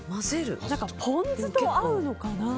ポン酢と合うのかなってね。